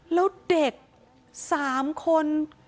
แล้วเด็ก๓คน